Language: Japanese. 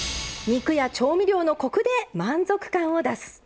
肉や調味料のコクで満足感を出す。